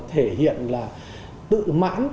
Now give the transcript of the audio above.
thể hiện là tự mãn